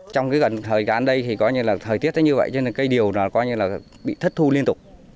trong gần thời gian đây thời tiết như vậy cây điều bị thất thu liên tục